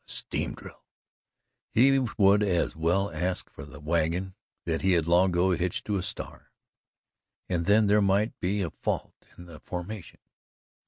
A steam drill! He would as well ask for the wagon that he had long ago hitched to a star; and then there might be a fault in the formation.